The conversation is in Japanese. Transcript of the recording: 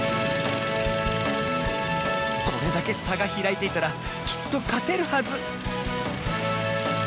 これだけさがひらいていたらきっとかてるはず